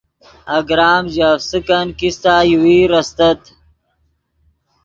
اگرام ژے افسکن کیستہ یوویر استت